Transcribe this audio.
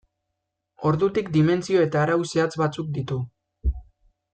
Ordutik dimentsio eta arau zehatz batzuk ditu.